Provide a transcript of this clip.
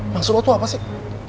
maksud lo tuh apa sih